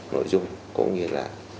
nội dung có nghĩa là